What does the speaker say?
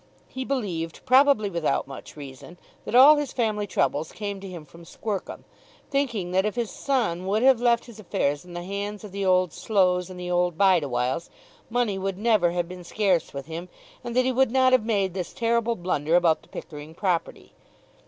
He believed, probably without much reason, that all his family troubles came to him from Squercum, thinking that if his son would have left his affairs in the hands of the old Slows and the old Bideawhiles, money would never have been scarce with him, and that he would not have made this terrible blunder about the Pickering property.